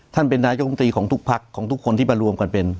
ท่านเป็นนายกรรมตรีของทุกพักของทุกคนที่มารวมกันเป็น